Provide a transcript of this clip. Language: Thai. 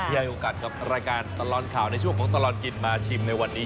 ให้โอกาสกับรายการตลอดข่าวในช่วงของตลอดกินมาชิมในวันนี้